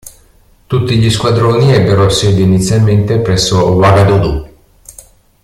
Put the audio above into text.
Tutti gli squadroni ebbero sede inizialmente presso Ouagadougou.